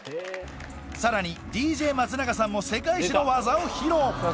さらにＤＪ松永さんも世界一の技を披露